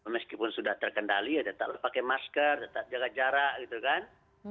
meskipun sudah terkendali ya tetap pakai masker tetap jaga jarak gitu kan